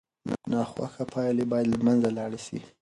ناخوښه پایلې باید له منځه لاړې سي.